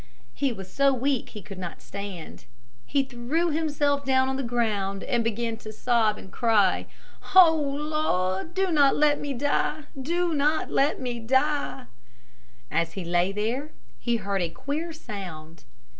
He was so weak he could not stand. He threw himself down on the ground and began to sob and cry, "O Lord, do not let me die! Do not let me die!" As he lay there he heard a queer sound.